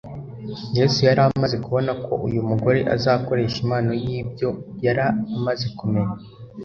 Yesu yari amaze kubona ko uyu mugore azakoresha impano y’ibyo yari amaze kumenya